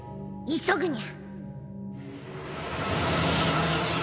急ぐニャ。